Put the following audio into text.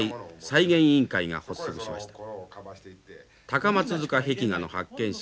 高松塚壁画の発見者